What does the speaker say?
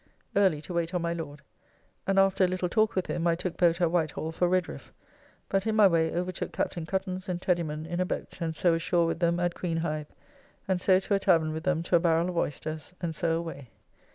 Early to wait on my Lord, and after a little talk with him I took boat at Whitehall for Redriffe, but in my way overtook Captain Cuttance and Teddiman in a boat and so ashore with them at Queenhithe, and so to a tavern with them to a barrel of oysters, and so away.